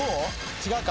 違うか。